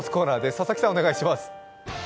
佐々木さん、お願いします。